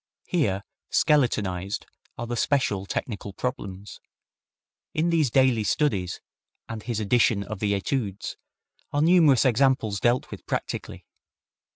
Here skeletonized are the special technical problems. In these Daily Studies, and his edition of the Etudes, are numerous examples dealt with practically.